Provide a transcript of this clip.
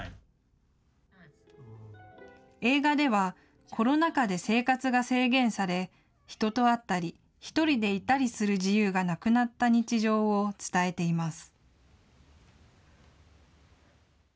映画ではコロナ禍で生活が制限され人と会ったり１人でいたりする自由がなくなった日常を伝えています。